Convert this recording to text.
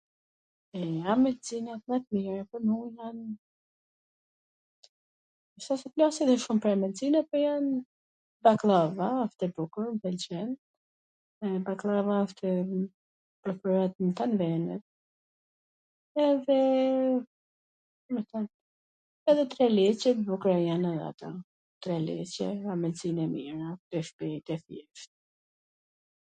s asht se plasi edhe shum pwr ambwlsina, po jan bakllava..., m pwlqen, baklalava edhe treliCe, t bukra jan dhe ato, treliCe, amwlsin e mir